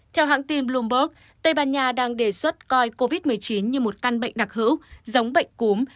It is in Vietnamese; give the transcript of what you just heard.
theo hãng tin bloomberg tây ban nha đang đề xuất coi covid một mươi chín như một căn bệnh đặc hữu giống bệnh cúm